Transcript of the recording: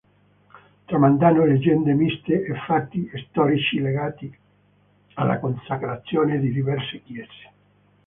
Tramandano leggende miste a fatti storici legati alla consacrazione di diverse chiese.